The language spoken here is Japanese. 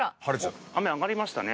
雨上がりましたね。